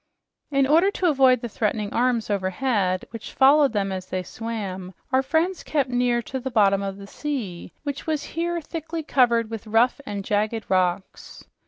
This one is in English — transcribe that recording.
In order to avoid the threatening arms overhead, which followed them as they swam, our friends kept near to the bottom of the sea, which was here thickly covered with rough and jagged rocks.